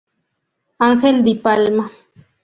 Ángel Di Palma.